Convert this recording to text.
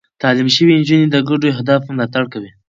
تعليم شوې نجونې د ګډو اهدافو ملاتړ کوي.